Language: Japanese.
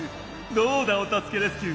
どうだお助けレスキュー。